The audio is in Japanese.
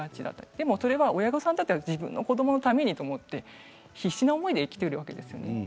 でも親御さんにとっては自分の子どものためにと必死な思いで来ているわけですね。